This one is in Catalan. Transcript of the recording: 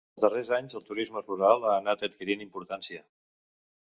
Els darrers anys el turisme rural ha anat adquirint importància.